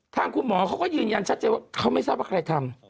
ทางคุณหมอเขาก็ยืนยันชัดเจนว่าเขาไม่ทราบว่าใครทำ